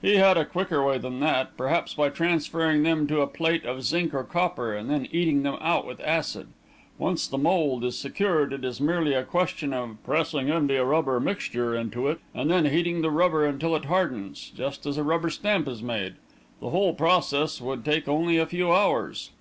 He had a quicker way than that perhaps by transferring them to a plate of zinc or copper and then eating them out with acid. Once the mould is secured, it is merely a question of pressing india rubber mixture into it and then heating the rubber until it hardens just as a rubber stamp is made. The whole process would take only a few hours."